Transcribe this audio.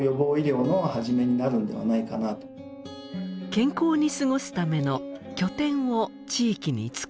健康に過ごすための拠点を地域に作る。